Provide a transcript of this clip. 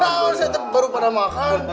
aduh baru pada makan